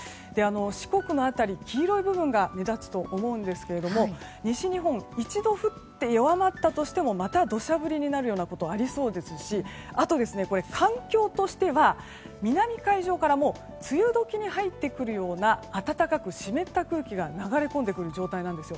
四国の辺り、黄色い部分が目立つと思うんですけれども西日本一度降って弱まったとしてもまた土砂降りになることがありそうですしあと、環境としては、南海上からもう梅雨時に入ってくるような暖かく湿った空気が流れ込んでくる状態なんです。